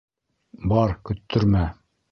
Бар, көттөрмә.